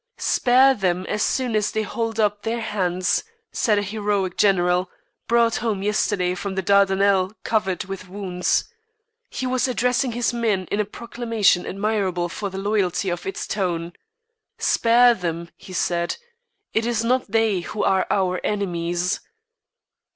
"Spare them as soon as they hold up their hands," said a heroic general, brought home yesterday from the Dardanelles covered with wounds. He was addressing his men in a proclamation admirable for the loyalty of its tone. "Spare them," he said; "it is not they who are our enemies."